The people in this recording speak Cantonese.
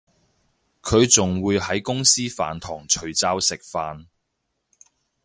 佢仲會喺公司飯堂除罩食飯